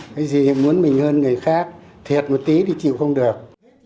cái gì thì muốn mình hơn người khác thiệt một tí thì chịu không được